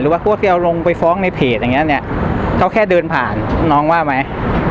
หรือว่าพวกที่เอาลงไปฟ้องในเพจอย่างนี้เขาแค่เดินผ่านน้องว่าไหม